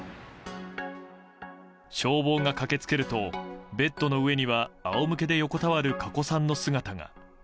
消防が駆け付けるとベッドの上には仰向けで横たわる加古さんの姿が。